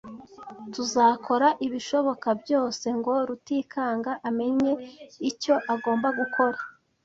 Tuzakora ibishoboka byose ngo Rutikanga amenye icyo agomba gukora.